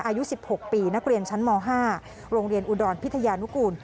อายุสิบหกปีนักเรียนชั้นมห้าโรงเรียนอูดอนพิธยานุกุล